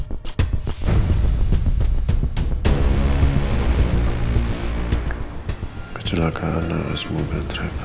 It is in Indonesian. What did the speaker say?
lu hati hati udah uang light rico